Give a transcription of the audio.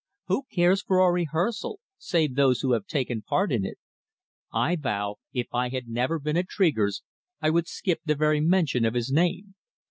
Who cares for a rehearsal, save those who have taken part in it? I vow, if I had never been at Tregear's I would skip the very mention of his name.